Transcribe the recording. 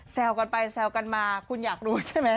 แซวกันไปแซวกันมาคุณอยากรู้ใช่ไหม